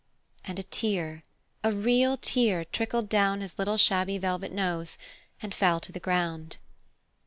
And a tear, a real tear, trickled down his little shabby velvet nose and fell to the ground.